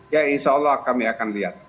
ya insya allah kami akan lihat